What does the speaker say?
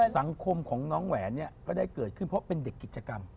สังคมของน้องแหวนเนี่ยก็ได้เกิดขึ้นเพราะเป็นเด็กกิจกรรม